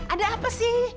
ada apa sih